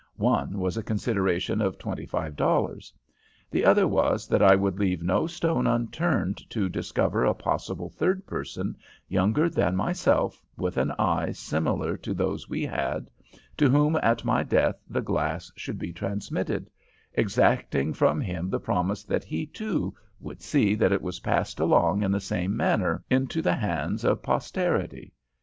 One was a consideration of $25. The other was that I would leave no stone unturned to discover a possible third person younger than myself with an eye similar to those we had, to whom at my death the glass should be transmitted, exacting from him the promise that he too would see that it was passed along in the same manner into the hands of posterity.